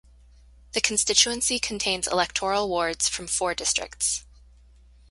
The constituency contains electoral wards from four districts.